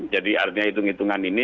jadi artinya hitung hitungan ini